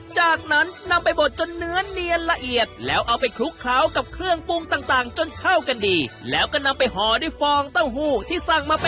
จึงนำไปเนื้องอีกที